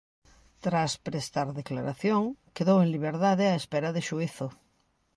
Tras prestar declaración, quedou en liberdade á espera de xuízo.